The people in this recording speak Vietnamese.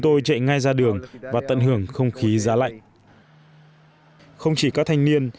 tôi chạy ngay ra đường và tận hưởng không khí giá lạnh không chỉ các thanh niên